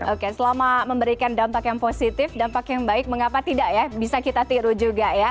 oke selama memberikan dampak yang positif dampak yang baik mengapa tidak ya bisa kita tiru juga ya